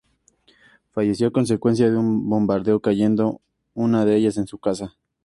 Falleció a consecuencia de un bombardeo cayendo una de ellas en su casa.